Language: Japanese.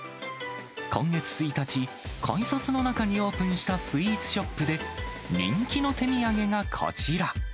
今月１日、改札の中にオープンしたスイーツショップで、人気の手土産がこちら。